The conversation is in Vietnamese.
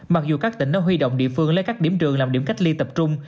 mặc dù các tỉnh đã huy động địa phương lấy các điểm trường làm điểm cách ly tập trung